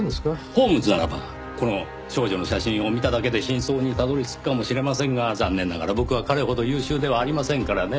ホームズならばこの少女の写真を見ただけで真相にたどり着くかもしれませんが残念ながら僕は彼ほど優秀ではありませんからね。